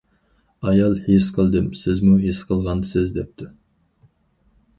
ئايال:‹‹ ھېس قىلدىم، سىزمۇ ھېس قىلغانسىز؟›› دەپتۇ.